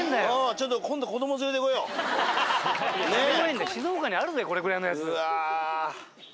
ちょっと静岡にあるぜこれくらいのやつ。